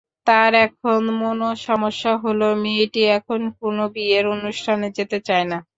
তার এখন মনোসমস্যা হলো—মেয়েটি এখন কোনো বিয়ের অনুষ্ঠানে যেতে চায় না।